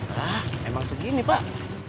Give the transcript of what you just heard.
hah emang segini pak